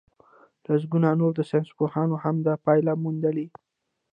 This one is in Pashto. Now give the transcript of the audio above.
لسګونو نورو ساينسپوهانو هم دا پايله موندلې.